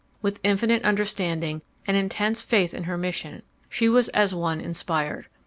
With infinite understanding and intense faith in her mission, she was as one inspired.